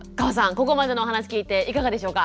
ここまでのお話聞いていかがでしょうか？